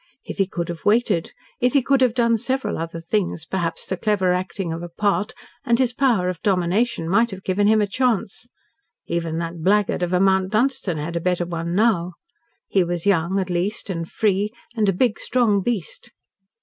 If he could have waited if he could have done several other things perhaps the clever acting of a part, and his power of domination might have given him a chance. Even that blackguard of a Mount Dunstan had a better one now. He was young, at least, and free and a big strong beast.